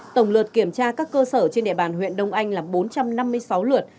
tổng lượt kiểm tra các cơ sở trên địa bàn huyện đông anh là bốn trăm năm mươi sáu lượt